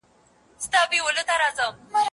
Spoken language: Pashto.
تر غرغړې پوري مي کړي وعدې وساتلې